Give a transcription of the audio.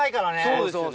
そうですよね。